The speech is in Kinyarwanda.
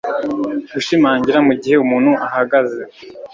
Gushimangira mu gihe umuntu ahagaze